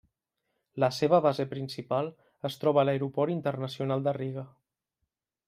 La seva base principal es troba a l'aeroport Internacional de Riga.